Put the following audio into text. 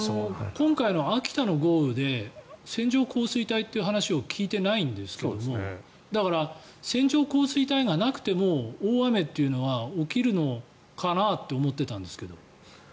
今回の秋田の豪雨で線状降水帯という話を聞いてないんですけどもだから、線状降水帯がなくても大雨っていうのは起きるのかなって思っていたんですけど。